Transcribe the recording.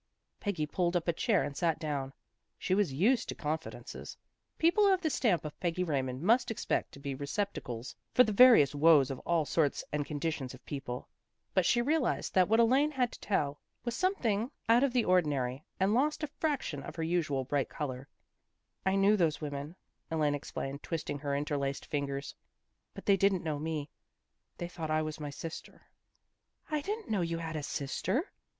Peggy pulled up a chair and sat down. She was used to confidences. People of the stamp of Peggy Raymond must expect to be receptacles for the various woes of all sorts and conditions of people. But she realized that what Elaine had to tell was something out of 246 THE GIRLS OF FRIENDLY TERRACE the ordinary, and lost a fraction of her usual bright color. " I knew those women," Elaine explained, twisting her interlaced fingers. " But they didn't know me. They thought I was my sister." " I didn't know you had a sister!